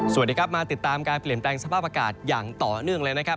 สวัสดีครับมาติดตามการเปลี่ยนแปลงสภาพอากาศอย่างต่อเนื่องเลยนะครับ